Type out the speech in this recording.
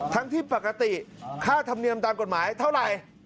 ทั้งที่ปกติค่าธรรมเนียมตามกฎหมายเท่าไหร่